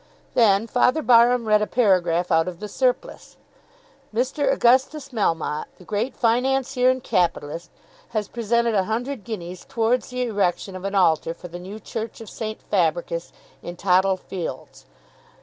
Then Father Barham read a paragraph out of "The Surplice." "Mr. Augustus Melmotte, the great financier and capitalist, has presented a hundred guineas towards the erection of an altar for the new church of St. Fabricius, in Tothill Fields.